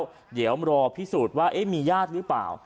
แล้วเดี๋ยวเอารอพิสูจน์ว่าเอ๊ะมีญากหรือเปล่า